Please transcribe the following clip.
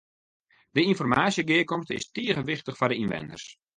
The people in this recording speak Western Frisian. De ynformaasjegearkomste is tige wichtich foar de ynwenners.